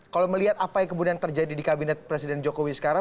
kalau melihat apa yang kemudian terjadi di kabinet presiden jokowi sekarang